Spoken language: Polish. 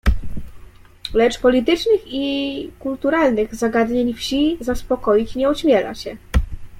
"Lecz politycznych i kulturalnych zagadnień wsi zaspokoić nie ośmiela się."